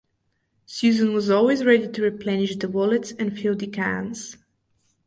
Susan was always ready to replenish the wallets and fill the cans.